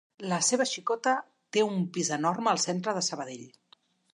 La seva xicota té un pis enorme al centre de Sabadell.